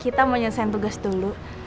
kita mau nyelesaian tugas dulu